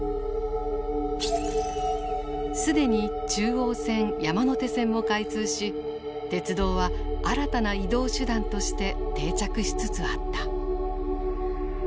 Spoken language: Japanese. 既に中央線山手線も開通し鉄道は新たな移動手段として定着しつつあった。